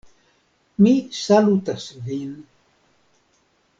Mi salutas vin.